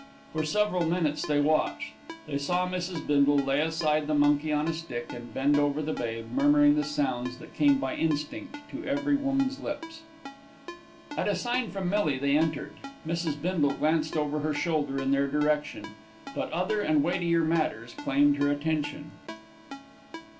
For several minutes they watched. They saw Mrs. Bindle lay aside the monkey on a stick, and bend over the babe, murmuring the sounds that come by instinct to every woman's lips. At a sign from Millie, they entered. Mrs. Bindle glanced over her shoulder in their direction; but other and weightier matters claimed her attention.